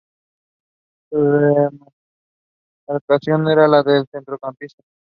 Su demarcación era la de centrocampista.